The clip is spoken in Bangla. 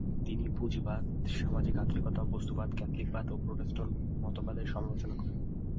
তিনি পুঁজিবাদ, সামাজিক আধুনিকতা, বস্তুবাদ, ক্যাথলিকবাদ ও প্রোটেস্ট্যান্ট মতবাদের সমালোচনা করেন।